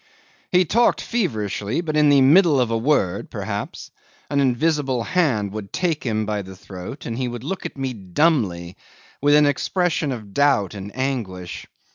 'He talked feverishly; but in the middle of a word, perhaps, an invisible hand would take him by the throat, and he would look at me dumbly with an expression of doubt and anguish.